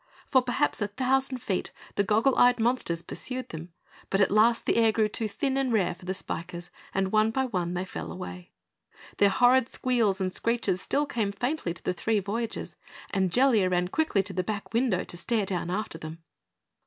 For perhaps a thousand feet the goggle eyed monsters pursued them, but at last, the air grew too thin and rare for the spikers and one by one they fell away. Their horrid squeals and screeches still came faintly to the three voyagers, and Jellia ran quickly to the back window to stare down after them.